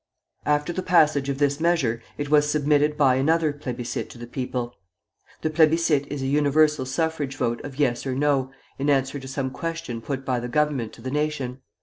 After the passage of this measure it was submitted by another plébiscite to the people. The plébiscite is a universal suffrage vote of yes or no, in answer to some question put by the Government to the nation.